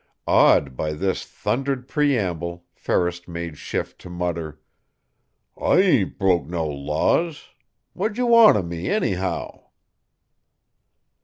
Awed by this thundered preamble, Ferris made shift to mutter: "I ain't broke no laws. What d'j' want of me, anyhow?"